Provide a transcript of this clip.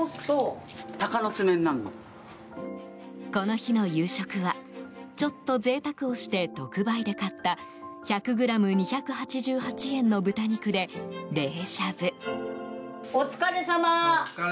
この日の夕食はちょっと贅沢をして特売で買った１００ｇ２８８円の豚肉で冷しゃぶ。